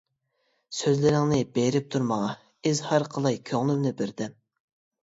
سۆزلىرىڭنى بېرىپ تۇر ماڭا، ئىزھار قىلاي كۆڭلۈڭنى بىردەم.